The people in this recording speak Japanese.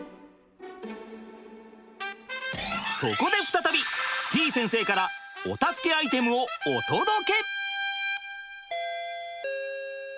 そこで再びてぃ先生からお助けアイテムをお届け！